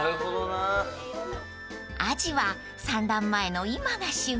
［アジは産卵前の今が旬］